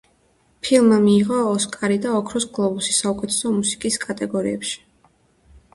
ფილმმა მიიღო ოსკარი და ოქროს გლობუსი საუკეთესო მუსიკის კატეგორიებში.